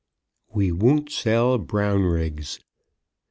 WE WON'T SELL BROWNRIGGS.